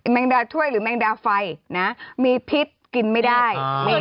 แมงดาถ้วยหรือแมงดาไฟนะมีพิษกินไม่ได้